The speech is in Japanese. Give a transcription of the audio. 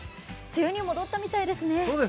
梅雨に戻ったみたいですね。